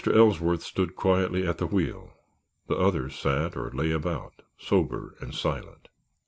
Ellsworth stood quietly at the wheel; the others sat or lay about, sober and silent.